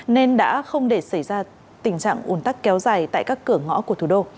nên đã không để xảy ra tình trạng ủn tắc kéo dài tại các cửa ngõ của thủ đô